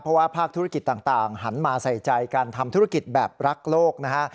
เพราะว่าภาคธุรกิจต่างหันมาใส่ใจการทำธุรกิจแบบรักโลกนะฮะ